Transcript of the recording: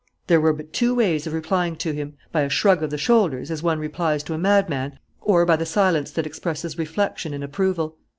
There were but two ways of replying to him: by a shrug of the shoulders, as one replies to a madman, or by the silence that expresses reflection and approval.